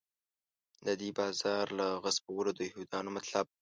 د دې بازار له غصبولو د یهودانو مطلب.